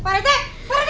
pak rt pak rt